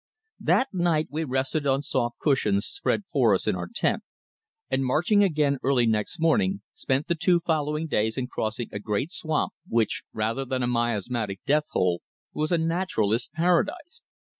That night we rested on soft cushions spread for us in our tent, and marching again early next morning, spent the two following days in crossing a great swamp, which, rather than a miasmatic death hole, was a naturalist's paradise.